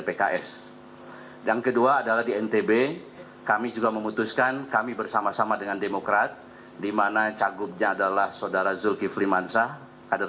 pks tetap menjalin kerjasama dengan deddy mizwar